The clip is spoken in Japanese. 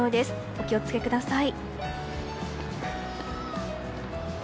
お気を付けください。